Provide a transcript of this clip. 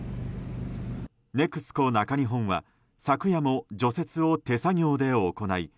ＮＥＸＣＯ中日本は昨夜も除雪を手作業で行い